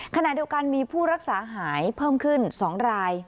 ขณะเดียวกันมีผู้รักษาหายเพิ่มขึ้น๒ราย